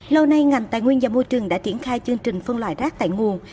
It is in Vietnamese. lâu nay ngành tài nguyên và môi trường đã triển khai chương trình phân loại rác tại nguồn